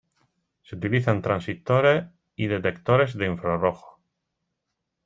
Se utiliza en transistores y detectores de infrarrojos.